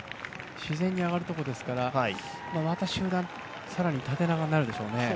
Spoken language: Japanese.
自然に上がるところですからまた集団、更に縦長になるでしょうね。